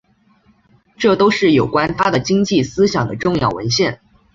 这都是有关他的经济思想的重要文献。